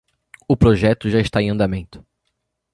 O projeto já está em andamento